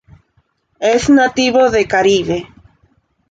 Es nativo de Caribe.